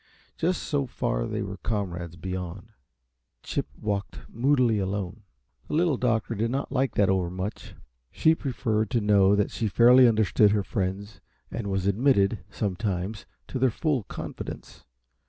Just so far they were comrades beyond, Chip walked moodily alone. The Little Doctor did not like that overmuch. She preferred to know that she fairly understood her friends and was admitted, sometimes, to their full confidence.